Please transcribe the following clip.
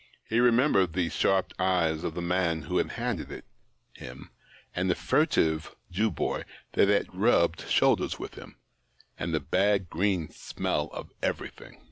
He remembered the sharp eyes of the man who had handed it him, and the furtive Jew boy that had rubbed shoulders with him, and the bad green smell of everything.